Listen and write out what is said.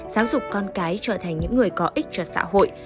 giáo dục con cái trở thành những người có ích cho xã hội